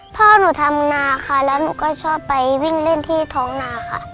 พ่อหนูทำนาค่ะแล้วหนูก็ชอบไปวิ่งเล่นที่ท้องนาค่ะ